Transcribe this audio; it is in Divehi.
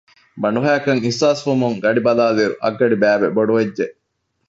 ބަނޑުހައިކަން އިޙްސާސްވުމުން ގަޑިބަލާލިއިރު އަށްގަޑިބައިވެ ބޮޑުވެއްޖެ